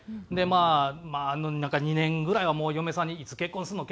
まあなんか２年ぐらいはもう嫁さんに「いつ結婚すんの？